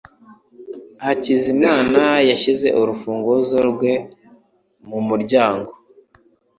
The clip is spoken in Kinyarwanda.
hakizamana yashyize urufunguzo rwe mumuryango.